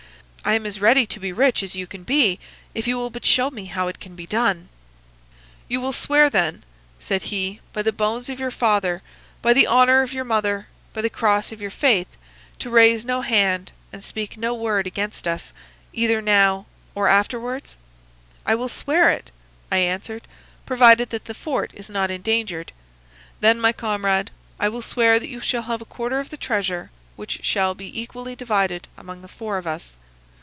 'I am as ready to be rich as you can be, if you will but show me how it can be done.' "'You will swear, then,' said he, 'by the bones of your father, by the honour of your mother, by the cross of your faith, to raise no hand and speak no word against us, either now or afterwards?' "'I will swear it,' I answered, 'provided that the fort is not endangered.' "'Then my comrade and I will swear that you shall have a quarter of the treasure which shall be equally divided among the four of us.